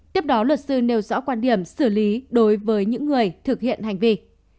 tiếp đó luật sư nêu rõ quan điểm xử lý đối với những người thực hiện hành vi